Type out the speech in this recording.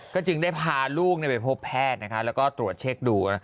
ก็จึงได้พาลูกไปพบแพทย์แล้วก็ตรวจเช็คดู